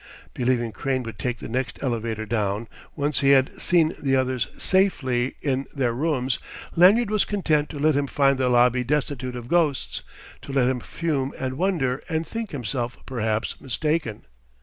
Believing Crane would take the next elevator down, once he had seen the others safely in their rooms, Lanyard was content to let him find the lobby destitute of ghosts, to let him fume and wonder and think himself perhaps mistaken.